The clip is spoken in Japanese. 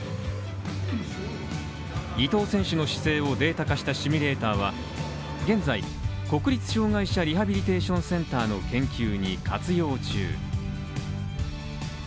伊藤選手の姿勢をデータ化したシミュレーターは現在、国立障害者リハビリテーションセンターの研究に活用中。